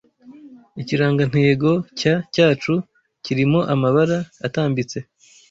Ikirangantego cya cyacu kirimo amabara atambitse